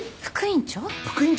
副院長？